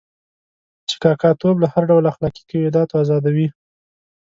چې کاکه توب له هر ډول اخلاقي قیوداتو آزادوي.